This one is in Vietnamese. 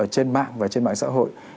trên mạng và trên mạng xã hội